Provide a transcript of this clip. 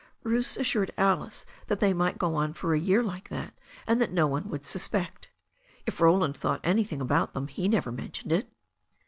Bruce assured Alice that they might go on for a year like that, and that no one would suspect. If Roland thought anything about them, he never mentioned it.